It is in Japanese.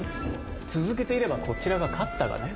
続けていればこちらが勝ったがね。